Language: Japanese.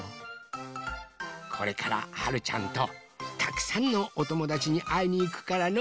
これからはるちゃんとたくさんのおともだちにあいにいくからの。